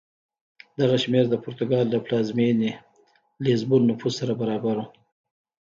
دغه شمېر د پرتګال له پلازمېنې لېزبون نفوس سره برابر و.